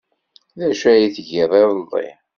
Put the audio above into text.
D acu ay tgiḍ iḍelli?